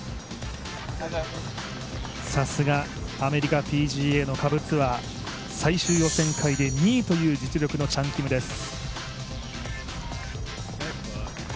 さすが、アメリカＰＧＡの下部ツアー最終予選会で２位という実力のチャン・キムです。